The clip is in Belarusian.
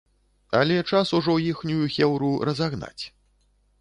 Але час ужо іхнюю хеўру разагнаць.